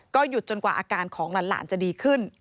หยุดจนกว่าอาการของหลานจะดีขึ้น